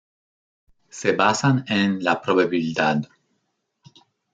Se basan en la probabilidad.